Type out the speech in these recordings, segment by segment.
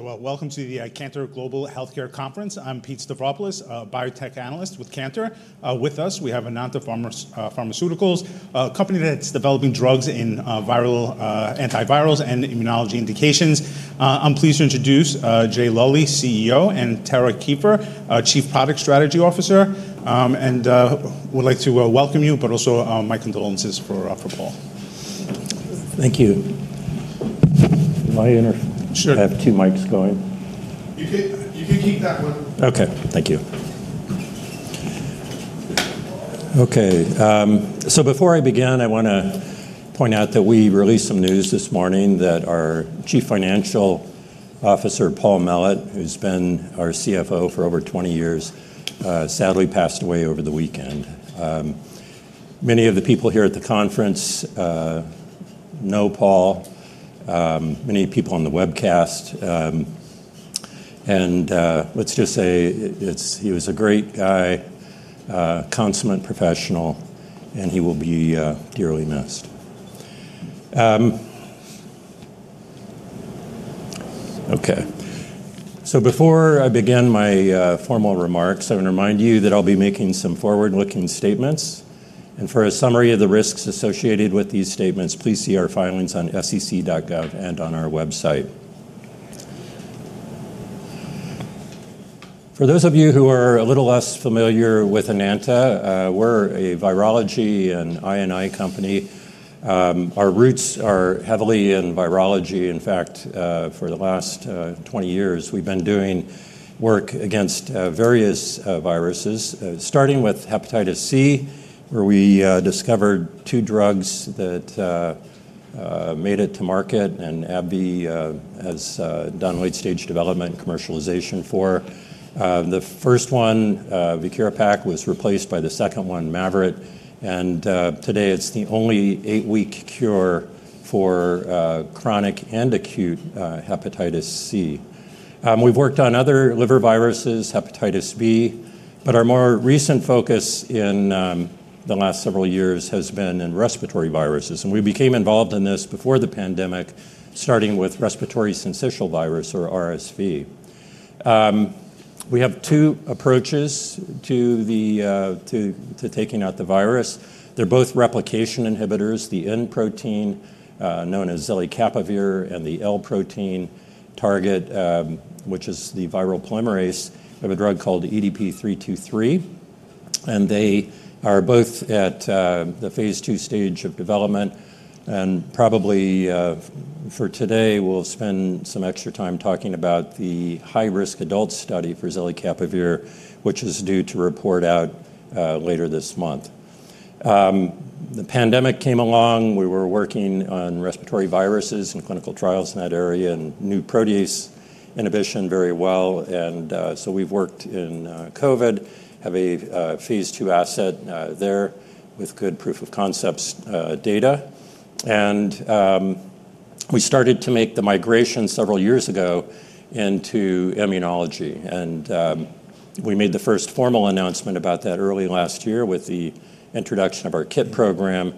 Welcome to the Cantor Global Healthcare Conference. I'm Pete Stavropoulos, a Biotech Analyst with Cantor. With us, we have Enanta Pharmaceuticals, a company that's developing drugs in viral antivirals and immunology indications. I'm pleased to introduce Jay Luly, CEO, and Tara Kieffer, Chief Product Strategy Officer. We'd like to welcome you, but also my condolences for Paul. Thank you. Am I in? Sure. I have two mics going. Okay, thank you. Okay, so before I begin, I want to point out that we released some news this morning that our Chief Financial Officer, Paul Mellett, who's been our CFO for over 20 years, sadly passed away over the weekend. Many of the people here at the conference know Paul, many people on the webcast, and let's just say he was a great guy, consummate professional, and he will be dearly missed. Before I begin my formal remarks, I want to remind you that I'll be making some forward-looking statements. For a summary of the risks associated with these statements, please see our filings on sec.gov and on our website. For those of you who are a little less familiar with Enanta, we're a virology and I&I company. Our roots are heavily in virology. In fact, for the last 20 years, we've been doing work against various viruses, starting with hepatitis C, where we discovered two drugs that made it to market, and AbbVie has done late-stage development and commercialization for. The first one, Viekira Pak, was replaced by the second one, MAVYRET, and today it's the only eight-week cure for chronic and acute hepatitis C. We've worked on other liver viruses, hepatitis B, but our more recent focus in the last several years has been in respiratory viruses. We became involved in this before the pandemic, starting with respiratory syncytial virus, or RSV. We have two approaches to taking out the virus. They're both replication inhibitors. The N protein, known as zelicapavir, and the L protein target, which is the viral polymerase of a drug called EDP-323. They are both at the phase II stage of development. Probably for today, we'll spend some extra time talking about the high-risk adult study for zelicapavir, which is due to report out later this month. The pandemic came along. We were working on respiratory viruses and clinical trials in that area and knew protease inhibition very well. We've worked in COVID, have a phase II asset there with good proof of concept data. We started to make the migration several years ago into immunology. We made the first formal announcement about that early last year with the introduction of our KIP program.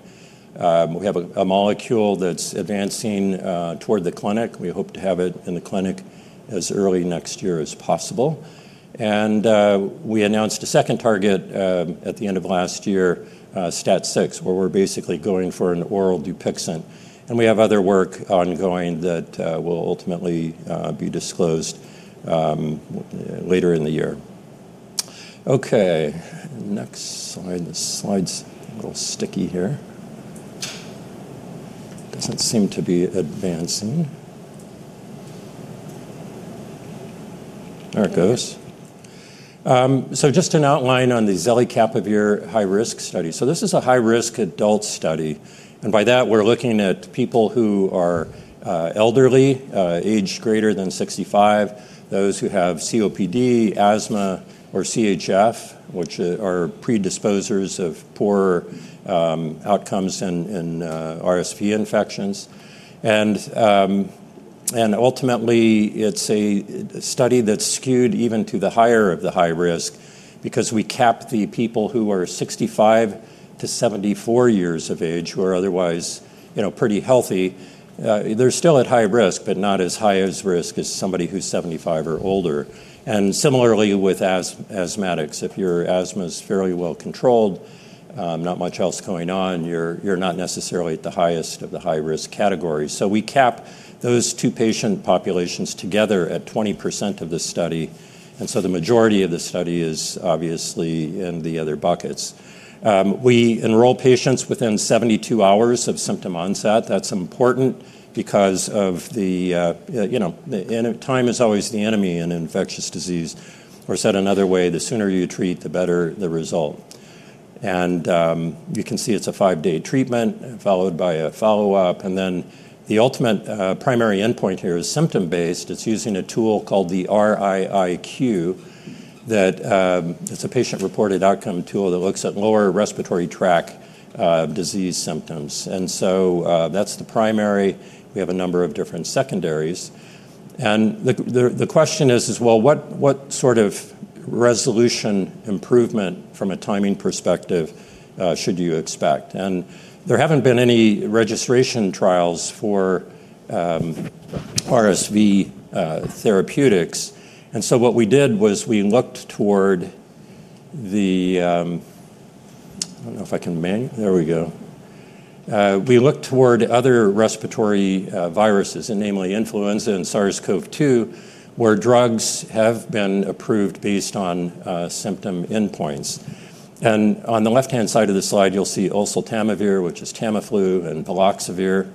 We have a molecule that's advancing toward the clinic. We hope to have it in the clinic as early next year as possible. We announced a second target at the end of last year, STAT6, where we're basically going for an oral Dupixent. We have other work ongoing that will ultimately be disclosed later in the year. Okay, next slide. This slide's a little sticky here. Doesn't seem to be advancing. There it goes. Just an outline on the zelicapavir high-risk study. This is a high-risk adult study. By that, we're looking at people who are elderly, age greater than 65, those who have COPD, asthma, or CHF, which are predisposers of poor outcomes in RSV infections. Ultimately, it's a study that's skewed even to the higher of the high risk because we cap the people who are 65-74 years of age, who are otherwise pretty healthy. They're still at high risk, but not as high a risk as somebody who's 75 or older. Similarly, with asthmatics, if your asthma is fairly well controlled, not much else going on, you're not necessarily at the highest of the high-risk category. We cap those two patient populations together at 20% of the study. The majority of the study is obviously in the other buckets. We enroll patients within 72 hours of symptom onset. That's important because time is always the enemy in infectious disease. Said another way, the sooner you treat, the better the result. You can see it's a five-day treatment followed by a follow-up. The ultimate primary endpoint here is symptom-based. It's using a tool called the RiiQ. It's a patient-reported outcome tool that looks at lower respiratory tract disease symptoms. That's the primary. We have a number of different secondaries. The question is, what sort of resolution improvement from a timing perspective should you expect? There haven't been any registration trials for RSV therapeutics. What we did was we looked toward the, there we go. We looked toward other respiratory viruses, namely influenza and SARS-CoV-2, where drugs have been approved based on symptom endpoints. On the left-hand side of the slide, you'll see oseltamivir, which is Tamiflu, and baloxavir,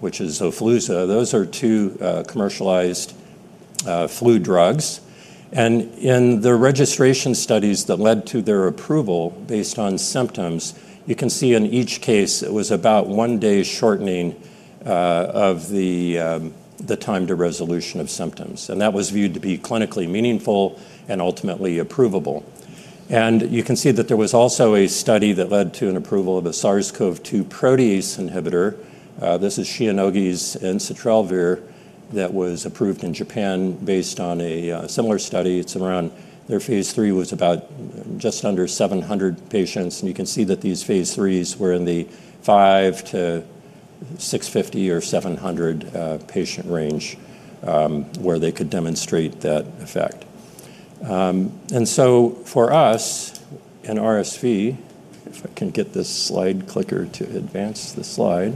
which is XOFLUZA. Those are two commercialized flu drugs. In the registration studies that led to their approval based on symptoms, you can see in each case, it was about one day shortening of the time to resolution of symptoms. That was viewed to be clinically meaningful and ultimately approvable. You can see that there was also a study that led to an approval of a SARS-CoV-2 protease inhibitor. This is Shionogi's ensitrelvir that was approved in Japan based on a similar study. It's around, their phase III was about just under 700 patients. You can see that these phase IIIs were in the 500-650 or 700 patient range where they could demonstrate that effect. For us in RSV, if I can get this slide clicker to advance the slide.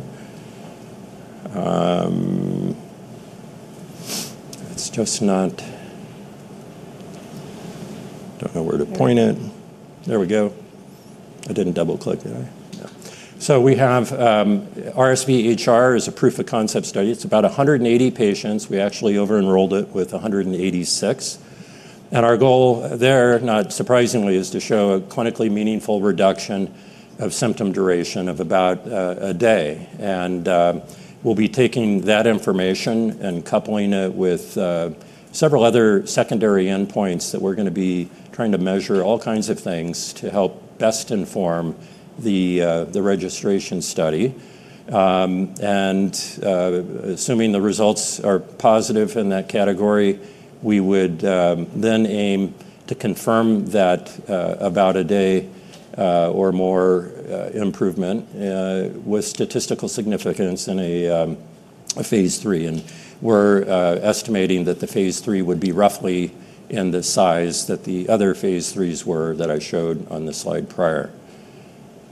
It's just not, I don't know where to point it. There we go. I didn't double click it. We have RSVHR as a proof of concept study. It's about 180 patients. We actually over-enrolled it with 186. Our goal there, not surprisingly, is to show a clinically meaningful reduction of symptom duration of about a day. We'll be taking that information and coupling it with several other secondary endpoints that we're going to be trying to measure, all kinds of things to help best inform the registration study. Assuming the results are positive in that category, we would then aim to confirm that about a day or more improvement with statistical significance in a phase III. We're estimating that the phase III would be roughly in the size that the other phase IIIs were that I showed on the slide prior.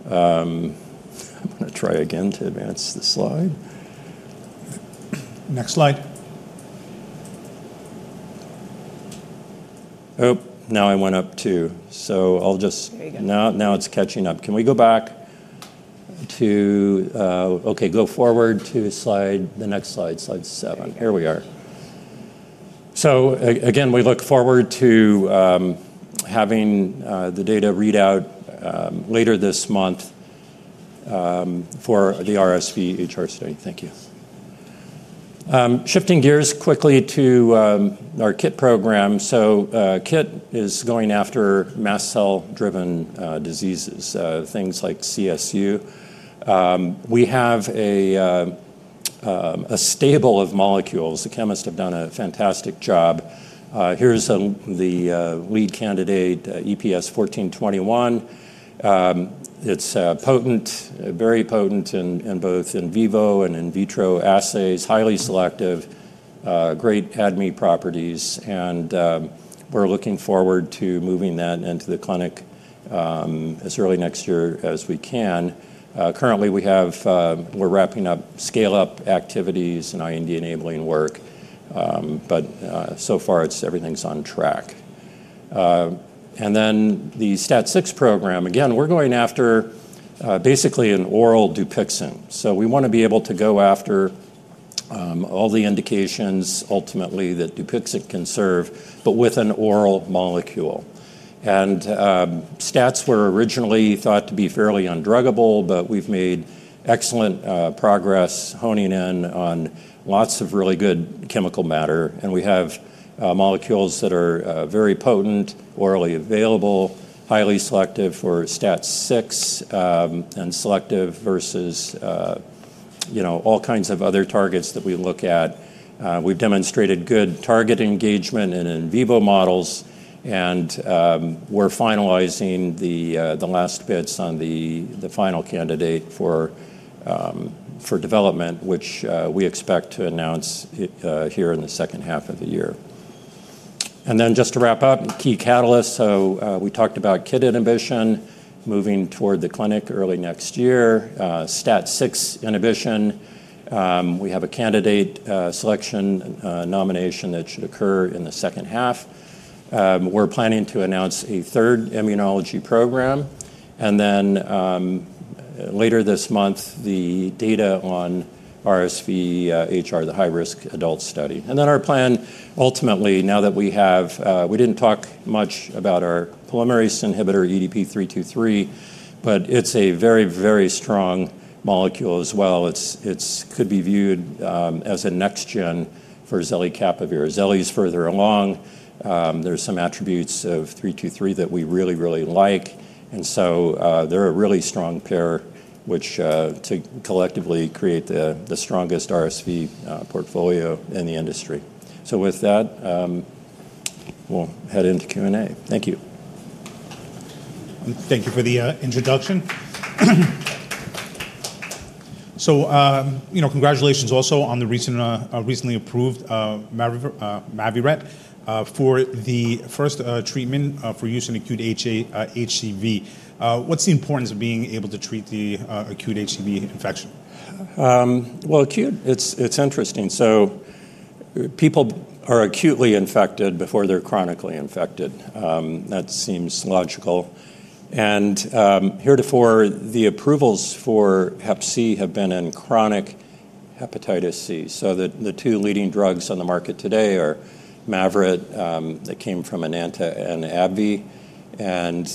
I'm going to try again to advance the slide. Next slide. Now it's catching up. Can we go back to, okay, go forward to the next slide, slide seven. Here we are. We look forward to having the data readout later this month for the RSVHR study. Thank you. Shifting gears quickly to our KIP program. KIP is going after mast cell-driven diseases, things like CSU. We have a stable of molecules. The chemists have done a fantastic job. Here's the lead candidate, EPS-1421. It's potent, very potent in both in vivo and in vitro assays, highly selective, great ADME properties. We're looking forward to moving that into the clinic as early next year as we can. Currently, we're wrapping up scale-up activities and IND-enabling work. So far, everything's on track. The STAT6 program, again, we're going after basically an oral Dupixent. We want to be able to go after all the indications ultimately that Dupixent can serve, but with an oral molecule. STATs were originally thought to be fairly undruggable, but we've made excellent progress honing in on lots of really good chemical matter. We have molecules that are very potent, orally available, highly selective for STAT6 and selective versus all kinds of other targets that we look at. We've demonstrated good target engagement in in vivo models. We're finalizing the last bits on the final candidate for development, which we expect to announce here in the second half of the year. Just to wrap up, key catalysts. We talked about KIP inhibition moving toward the clinic early next year, STAT6 inhibition. We have a candidate selection nomination that should occur in the second half. We're planning to announce a third immunology program. Later this month, the data on RSVHR, the high-risk adult study. Our plan ultimately, now that we have, we didn't talk much about our polymerase inhibitor EDP-323, but it's a very, very strong molecule as well. It could be viewed as a next-gen for zelicapavir. Zeli's further along. There are some attributes of 323 that we really, really like. They're a really strong pair, which collectively create the strongest RSV portfolio in the industry. With that, we'll head into Q&A. Thank you. Thank you for the introduction. Congratulations also on the recently approved MAVYRET for the first treatment for use in acute HCV. What's the importance of being able to treat the acute HCV infection? Acute, it's interesting. People are acutely infected before they're chronically infected. That seems logical. Heretofore, the approvals for Hep C have been in chronic hepatitis C. The two leading drugs on the market today are MAVYRET that came from Enanta and AbbVie and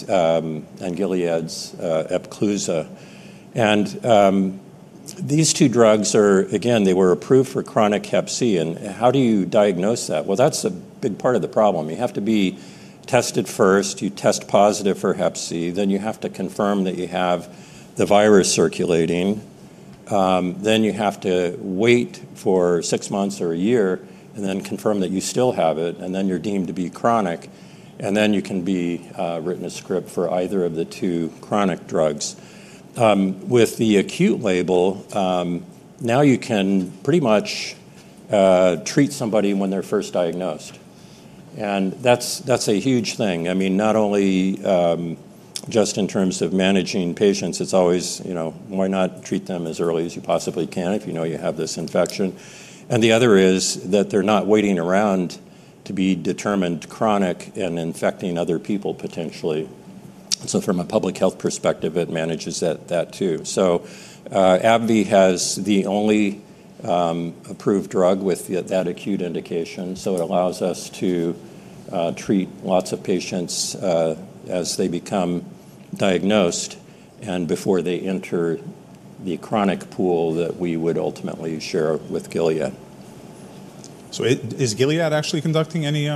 Gilead's EPCLUSA. These two drugs are, again, they were approved for chronic Hep C. How do you diagnose that? That's a big part of the problem. You have to be tested first. You test positive for Hep C, then you have to confirm that you have the virus circulating. You have to wait for six months or a year and then confirm that you still have it. Then you're deemed to be chronic, and then you can be written a script for either of the two chronic drugs. With the acute label, now you can pretty much treat somebody when they're first diagnosed. That's a huge thing. Not only just in terms of managing patients, it's always, you know, why not treat them as early as you possibly can if you know you have this infection? The other is that they're not waiting around to be determined chronic and infecting other people potentially. From a public health perspective, it manages that too. AbbVie has the only approved drug with that acute indication. It allows us to treat lots of patients as they become diagnosed and before they enter the chronic pool that we would ultimately share with Gilead. Is Gilead actually conducting any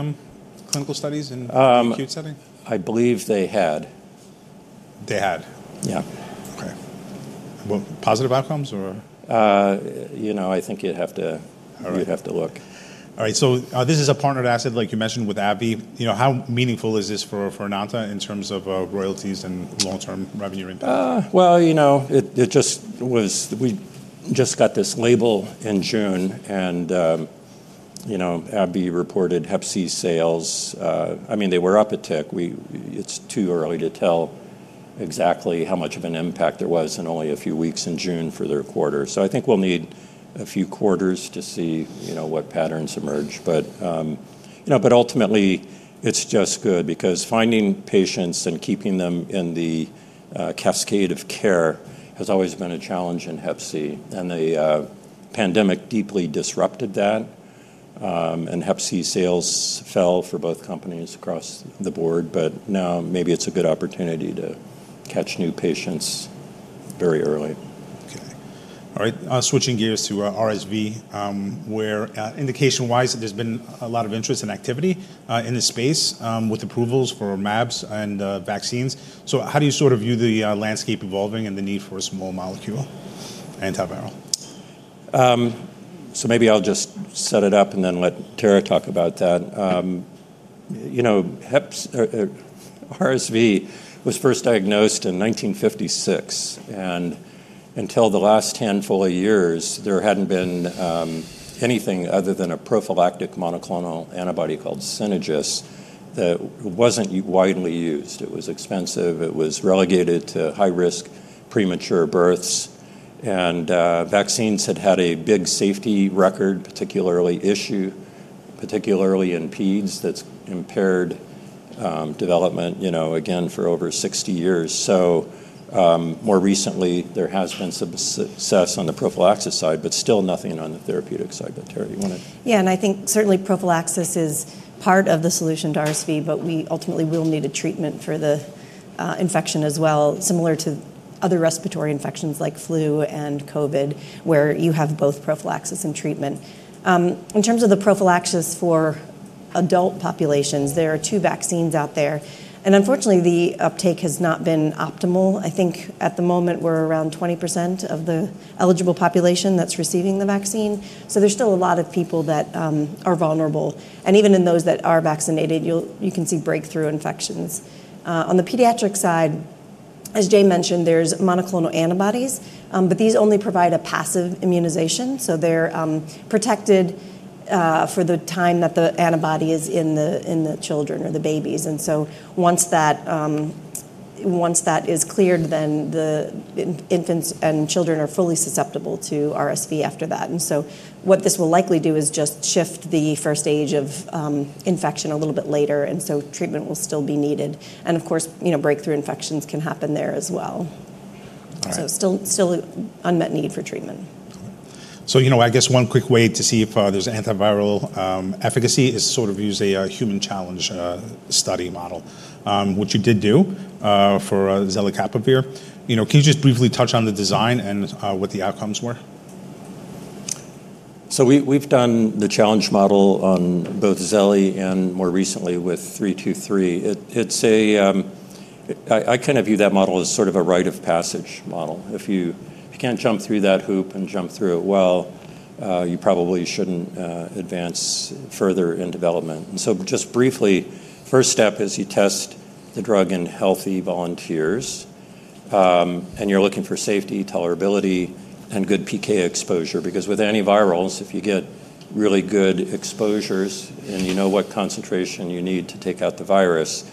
clinical studies in the acute setting? I believe they had. They had? Yeah. Okay. Positive outcomes or? I think you'd have to look. All right. This is a partnered asset like you mentioned with AbbVie. How meaningful is this for Enanta in terms of royalties and long-term revenue impact? We just got this label in June, and AbbVie reported Hep C sales. I mean, they were up a tick. It's too early to tell exactly how much of an impact there was in only a few weeks in June for their quarter. I think we'll need a few quarters to see what patterns emerge. Ultimately, it's just good because finding patients and keeping them in the cascade of care has always been a challenge in Hep C. The pandemic deeply disrupted that, and Hep C sales fell for both companies across the board. Now maybe it's a good opportunity to catch new patients very early. Okay. All right. Switching gears to RSV, where indication-wise, there's been a lot of interest and activity in this space with approvals for mAbs and vaccines. How do you sort of view the landscape evolving and the need for a small molecule antiviral? Maybe I'll just set it up and then let Tara talk about that. RSV was first diagnosed in 1956. Until the last handful of years, there hadn't been anything other than a prophylactic monoclonal antibody called SYNAGIS that wasn't widely used. It was expensive. It was relegated to high-risk premature births. Vaccines had had a big safety record issue, particularly in pedes that's impaired development, again for over 60 years. More recently, there has been some success on the prophylaxis side, but still nothing on the therapeutic side. Tara, do you want to? Yeah, and I think certainly prophylaxis is part of the solution to RSV, but we ultimately will need a treatment for the infection as well, similar to other respiratory infections like flu and COVID, where you have both prophylaxis and treatment. In terms of the prophylaxis for adult populations, there are two vaccines out there, and unfortunately, the uptake has not been optimal. I think at the moment, we're around 20% of the eligible population that's receiving the vaccine. There's still a lot of people that are vulnerable. Even in those that are vaccinated, you can see breakthrough infections. On the pediatric side, as Jay mentioned, there's monoclonal antibodies, but these only provide a passive immunization. They're protected for the time that the antibody is in the children or the babies. Once that is cleared, then the infants and children are fully susceptible to RSV after that. What this will likely do is just shift the first stage of infection a little bit later. Treatment will still be needed. Of course, you know, breakthrough infections can happen there as well. Still unmet need for treatment. I guess one quick way to see if there's antiviral efficacy is to sort of use a human challenge study model, which you did do for zelicapavir. You know, can you just briefly touch on the design and what the outcomes were? We've done the challenge model on both zeli and more recently with 323. I kind of view that model as sort of a rite of passage model. If you can't jump through that hoop and jump through it well, you probably shouldn't advance further in development. Just briefly, first step is you test the drug in healthy volunteers. You're looking for safety, tolerability, and good PK exposure. With antivirals, if you get really good exposures and you know what concentration you need to take out the virus,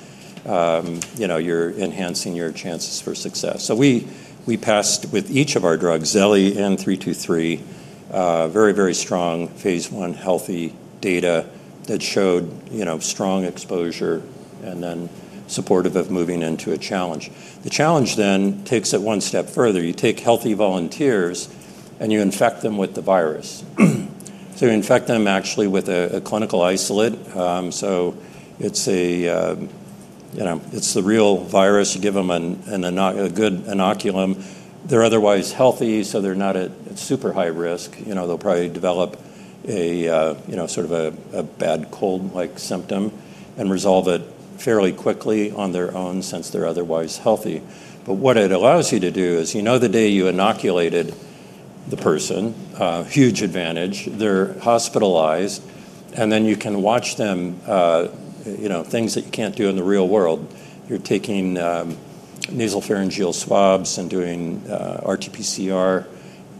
you're enhancing your chances for success. We passed with each of our drugs, zelicapavir and EDP-323, very, very strong phase I healthy data that showed strong exposure and then supportive of moving into a challenge. The challenge then takes it one step further. You take healthy volunteers and you infect them with the virus. You infect them actually with a clinical isolate. It's the real virus. You give them a good inoculum. They're otherwise healthy, so they're not at super high risk. They'll probably develop a sort of a bad cold-like symptom and resolve it fairly quickly on their own since they're otherwise healthy. What it allows you to do is, the day you inoculated the person, huge advantage, they're hospitalized, and then you can watch them, things that you can't do in the real world. You're taking nasopharyngeal swabs and doing RT-PCR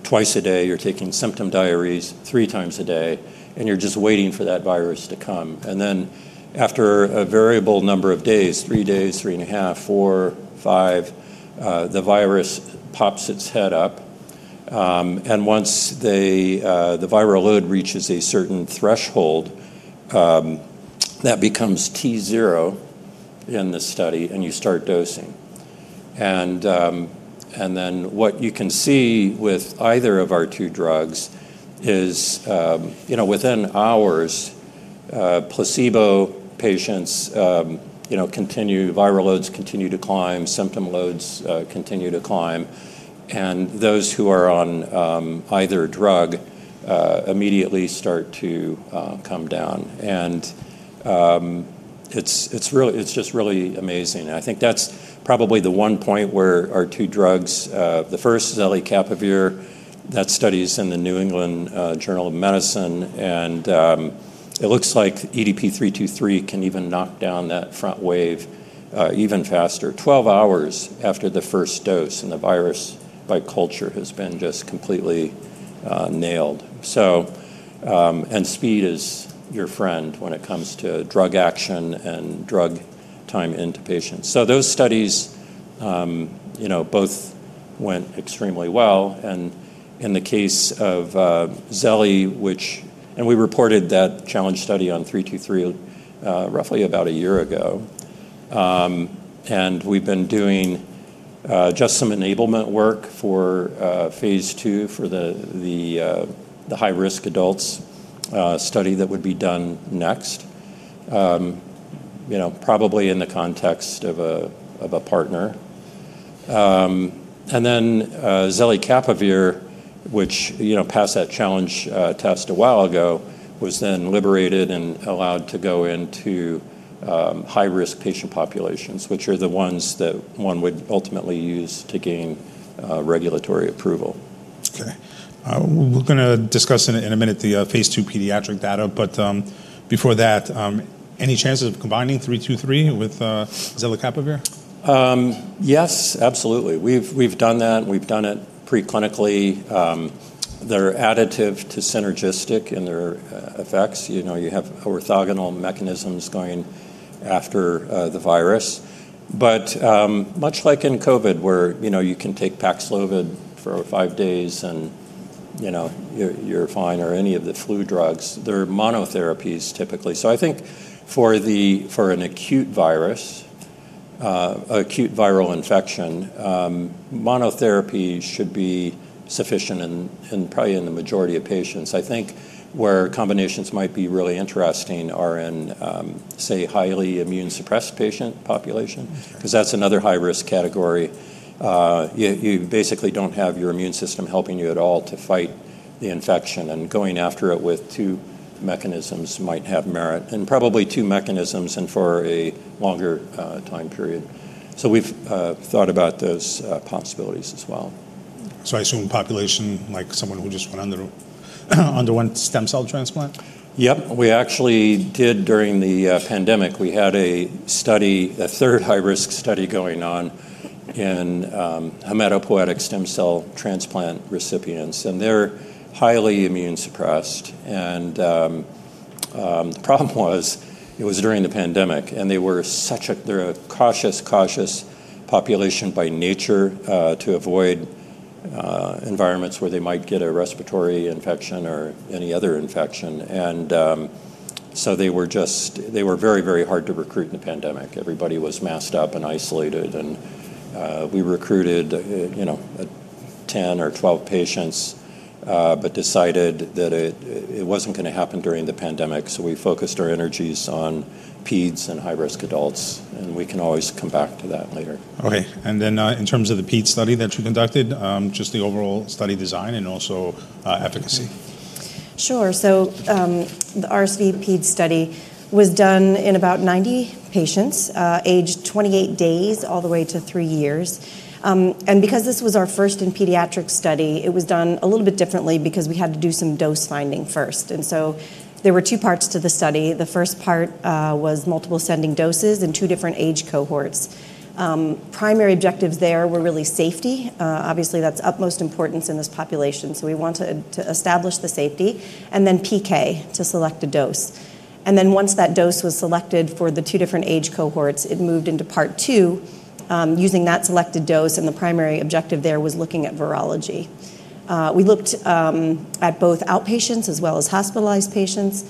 twice a day. You're taking symptom diaries three times a day, and you're just waiting for that virus to come. After a variable number of days, three days, three and a half, four, five, the virus pops its head up. Once the viral load reaches a certain threshold, that becomes t0 in the study, and you start dosing. What you can see with either of our two drugs is, within hours, placebo patients, viral loads continue to climb, symptom loads continue to climb, and those who are on either drug immediately start to come down. It's just really amazing. I think that's probably the one point where our two drugs, the first zelicapavir, that study is in the New England Journal of Medicine, and it looks like EDP-323 can even knock down that front wave even faster. Twelve hours after the first dose, and the virus by culture has been just completely nailed. Speed is your friend when it comes to drug action and drug time into patients. Those studies both went extremely well. In the case of zeli, which, and we reported that challenge study on 323 roughly about a year ago, we've been doing just some enablement work for phase II for the high-risk adults study that would be done next, probably in the context of a partner. Zelicapavir, which passed that challenge test a while ago, was then liberated and allowed to go into high-risk patient populations, which are the ones that one would ultimately use to gain regulatory approval. Okay. We're going to discuss in a minute the phase II pediatric data, but before that, any chances of combining 323 with zelicapavir? Yes, absolutely. We've done that, and we've done it preclinically. They're additive to synergistic in their effects. You know, you have orthogonal mechanisms going after the virus. Much like in COVID, where you can take Paxlovid for five days and you're fine, or any of the flu drugs, they're monotherapies typically. I think for an acute virus, acute viral infection, monotherapy should be sufficient and probably in the majority of patients. I think where combinations might be really interesting are in, say, highly immune suppressed patient population, because that's another high-risk category. You basically don't have your immune system helping you at all to fight the infection, and going after it with two mechanisms might have merit, and probably two mechanisms and for a longer time period. We've thought about those possibilities as well. I assume population like someone who just underwent stem cell transplant? Yep, we actually did during the pandemic. We had a study, a third high-risk study going on in hematopoietic stem cell transplant recipients, and they're highly immunosuppressed. The problem was it was during the pandemic, and they were such a, they're a cautious, cautious population by nature to avoid environments where they might get a respiratory infection or any other infection. They were very, very hard to recruit in the pandemic. Everybody was masked up and isolated, and we recruited 10 or 12 patients, but decided that it wasn't going to happen during the pandemic. We focused our energies on pedes and high-risk adults, and we can always come back to that later. Okay. In terms of the pedes study that you conducted, just the overall study design and also efficacy. Sure. The RSV pedes study was done in about 90 patients, aged 28 days all the way to three years. Because this was our first in pediatric study, it was done a little bit differently because we had to do some dose finding first. There were two parts to the study. The first part was multiple ascending doses in two different age cohorts. Primary objectives there were really safety. Obviously, that's of utmost importance in this population. We wanted to establish the safety and then PK to select a dose. Once that dose was selected for the two different age cohorts, it moved into part two, using that selected dose. The primary objective there was looking at virology. We looked at both outpatients as well as hospitalized patients.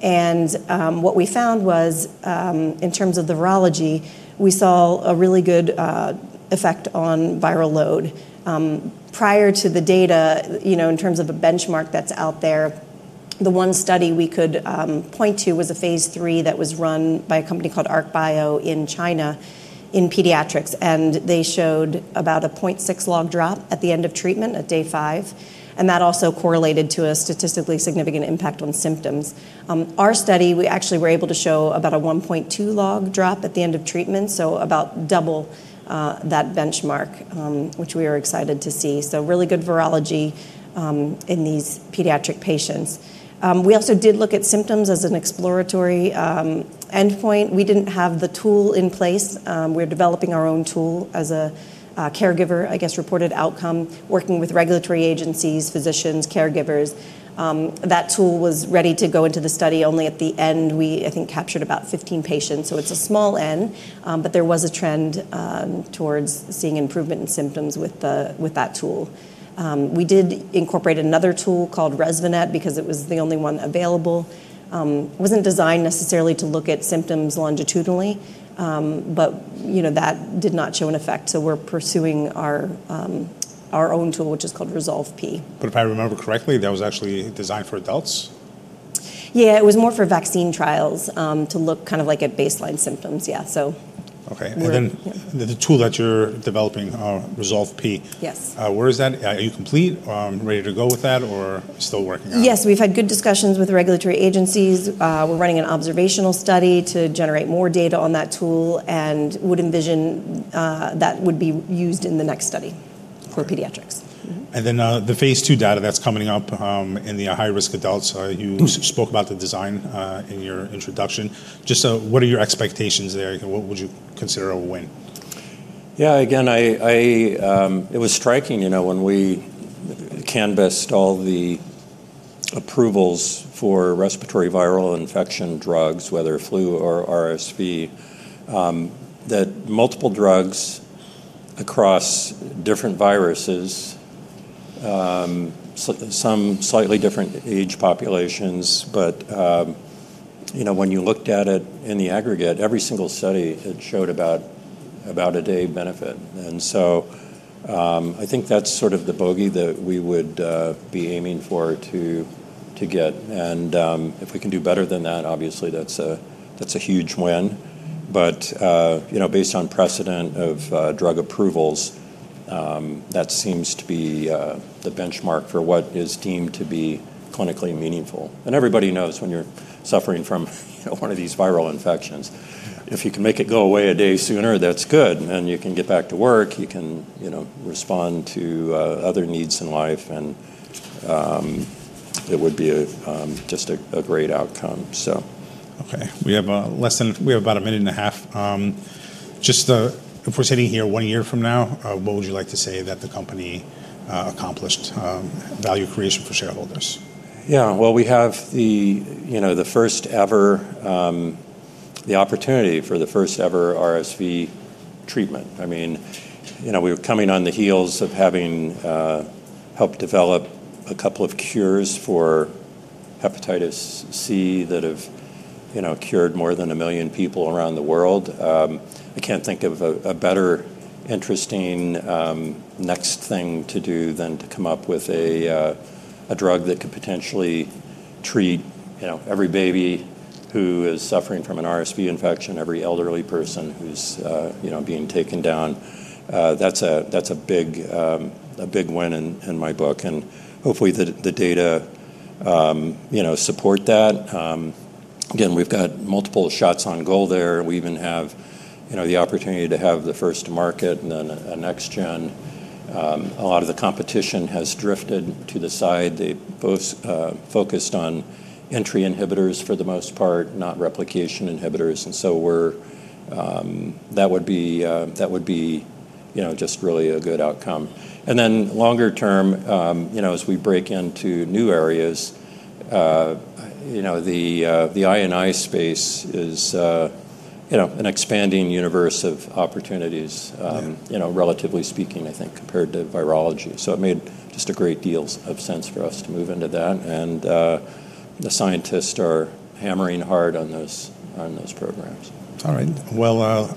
What we found was, in terms of the virology, we saw a really good effect on viral load. Prior to the data, in terms of a benchmark that's out there, the one study we could point to was a phase III that was run by a company called ArkBio in China in pediatrics. They showed about a 0.6 log drop at the end of treatment at day five. That also correlated to a statistically significant impact on symptoms. Our study, we actually were able to show about a 1.2 log drop at the end of treatment. About double that benchmark, which we are excited to see. Really good virology in these pediatric patients. We also did look at symptoms as an exploratory endpoint. We didn't have the tool in place. We're developing our own tool as a caregiver, I guess, reported outcome, working with regulatory agencies, physicians, caregivers. That tool was ready to go into the study only at the end. I think we captured about 15 patients. It's a small n, but there was a trend towards seeing improvement in symptoms with that tool. We did incorporate another tool called ResVinet because it was the only one available. It wasn't designed necessarily to look at symptoms longitudinally, but that did not show an effect. We're pursuing our own tool, which is called RESOLVE-P. If I remember correctly, that was actually designed for adults? Yeah, it was more for vaccine trials to look kind of like at baseline symptoms. Okay. The tool that you're developing, RESOLVE-P, where is that? Are you complete, ready to go with that, or still working? Yes, we've had good discussions with regulatory agencies. We're running an observational study to generate more data on that tool and would envision that would be used in the next study for pediatrics. The phase II data that's coming up in the high-risk adults, you spoke about the design in your introduction. What are your expectations there? What would you consider a win? Yeah, again, it was striking, you know, when we canvassed all the approvals for respiratory viral infection drugs, whether flu or RSV, that multiple drugs across different viruses, some slightly different age populations. You know, when you looked at it in the aggregate, every single study had showed about a day benefit. I think that's sort of the bogey that we would be aiming for to get. If we can do better than that, obviously, that's a huge win. You know, based on precedent of drug approvals, that seems to be the benchmark for what is deemed to be clinically meaningful. Everybody knows when you're suffering from one of these viral infections, if you can make it go away a day sooner, that's good. You can get back to work. You can, you know, respond to other needs in life. It would be just a great outcome. Okay. We have about a minute and a half. Just if we're sitting here one year from now, what would you like to say that the company accomplished value creation for shareholders? Yeah, we have the, you know, the first ever, the opportunity for the first ever RSV treatment. I mean, we're coming on the heels of having helped develop a couple of cures for hepatitis C that have cured more than a million people around the world. I can't think of a better interesting next thing to do than to come up with a drug that could potentially treat every baby who is suffering from an RSV infection, every elderly person who's being taken down. That's a big, a big win in my book. Hopefully the data support that. We've got multiple shots on goal there. We even have the opportunity to have the first to market and then a next gen. A lot of the competition has drifted to the side. They both focused on entry inhibitors for the most part, not replication inhibitors. That would be, you know, just really a good outcome. Longer term, as we break into new areas, the INI space is an expanding universe of opportunities, relatively speaking, I think, compared to virology. It made just a great deal of sense for us to move into that. The scientists are hammering hard on those programs. All right.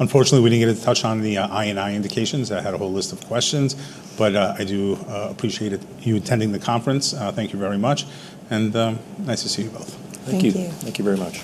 Unfortunately, we didn't get to touch on the INI indications. I had a whole list of questions, but I do appreciate you attending the conference. Thank you very much. Nice to see you both. Thank you. Thank you. Thank you very much.